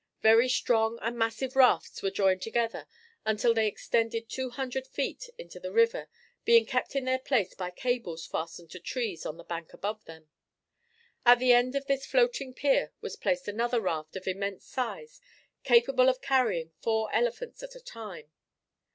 Very strong and massive rafts were joined together until they extended two hundred feet into the river, being kept in their place by cables fastened to trees on the bank above them. At the end of this floating pier was placed another raft of immense size, capable of carrying four elephants at a time.